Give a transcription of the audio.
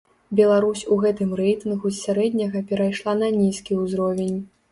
Беларусь у гэтым рэйтынгу з сярэдняга перайшла на нізкі ўзровень.